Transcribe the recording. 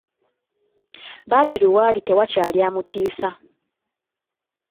Badru waali tewakyali amutiisa!